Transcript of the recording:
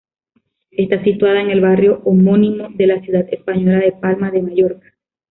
Está situada en el barrio homónimo de la ciudad española de Palma de Mallorca.